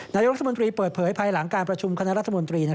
นายกรัฐมนตรีเปิดเผยภายหลังการประชุมคณะรัฐมนตรี